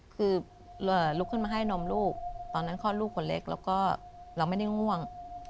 คือลุกขึ้นมาให้นมลูกตอนนั้นคลอดลูกคนเล็กแล้วก็เราไม่ได้ง่วง